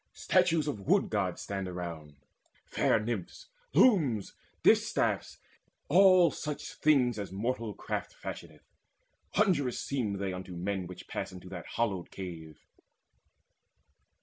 Statues of Wood gods stand around, fair Nymphs, Looms, distaffs, all such things as mortal craft Fashioneth. Wondrous seem they unto men Which pass into that hallowed cave.